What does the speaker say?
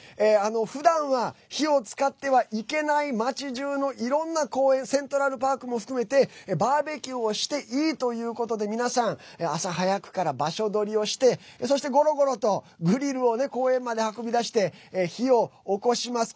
ふだんは、火を使ってはいけない町じゅうのいろんな公園セントラルパークも含めてバーベキューをしていいということで皆さん朝早くから場所取りをしてそして、ゴロゴロとグリルを公園まで運び出して火をおこします。